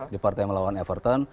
di partai melawan everton